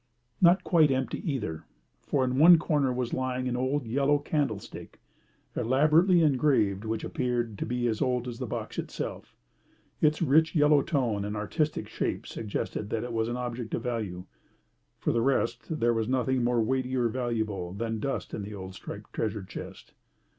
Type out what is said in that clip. Not quite empty either, for in one corner was lying an old yellow candle stick, elaborately engraved, which appeared to be as old as the box itself. Its rich yellow tone and artistic shape suggested that it was an object of value. For the rest there was nothing more weighty or valuable than dust in the old striped treasure chest.